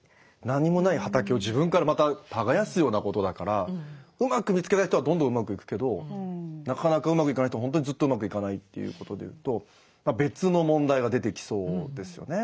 何もない畑を自分からまた耕すようなことだからうまく見つけた人はどんどんうまくいくけどなかなかうまくいかない人はほんとにずっとうまくいかないということでいうと別の問題が出てきそうですよね。